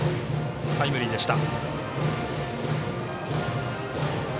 タイムリーでした。